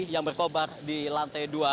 yang berkobar di lantai dua